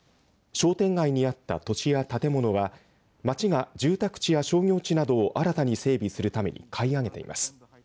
商店街にあった土地や建物は町が住宅地や商業地などを新たに整備するために買い上げています。